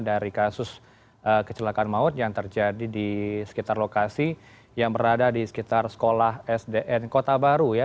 dari kasus kecelakaan maut yang terjadi di sekitar lokasi yang berada di sekitar sekolah sdn kota baru ya